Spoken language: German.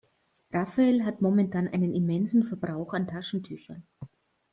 Rafael hat momentan einen immensen Verbrauch an Taschentüchern.